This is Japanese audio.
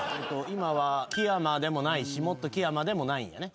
今は木山でもないしもっと木山でもないんやね。